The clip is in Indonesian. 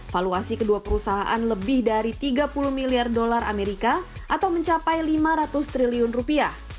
valuasi kedua perusahaan lebih dari tiga puluh miliar dolar amerika atau mencapai lima ratus triliun rupiah